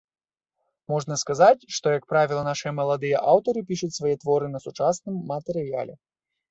Можна сказаць, што, як правіла, нашы маладыя аўтары пішуць свае творы на сучасным матэрыяле.